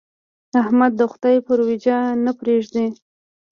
احمد د خدای پر اوېجه نه پرېږدي.